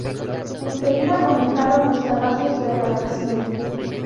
En seguida comenzaron los trabajos de redacción.